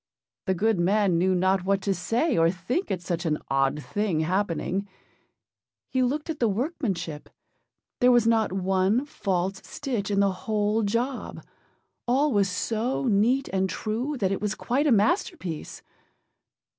The good man knew not what to say or think at such an odd thing happening. He looked at the workmanship; there was not one false stitch in the whole job; all was so neat and true, that it was quite a masterpiece.